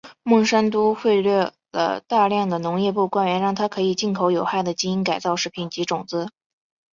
孟山都贿赂了大量的农业部官员让它可以进口有害的基因改造食品及种子。